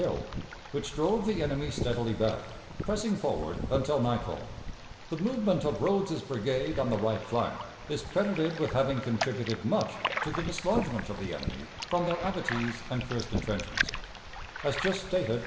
Hill, which drove the enemy steadily back, pressing forward until nightfall. The movement of Rodes's brigade on the right flank is credited with having contributed much to the dislodgment of the enemy from their abatis and first intrenchments. As just stated.